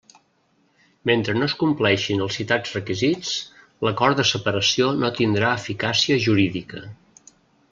Mentre no es compleixin els citats requisits, l'acord de separació no tindrà eficàcia jurídica.